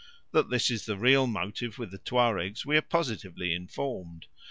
That this is the real motive with the Tuaregs we are positively informed.